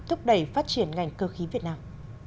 thúc đẩy phát triển ngành cơ khí việt nam